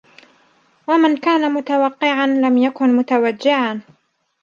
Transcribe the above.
وَمَنْ كَانَ مُتَوَقِّعًا لَمْ يَكُنْ مُتَوَجِّعًا